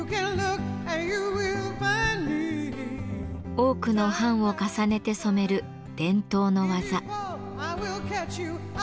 多くの版を重ねて染める伝統の技。